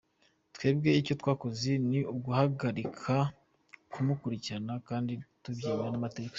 Twebwe icyo twakoze ni uguhagarika kumukurikirana kandi tubyemerewe n’amategeko”.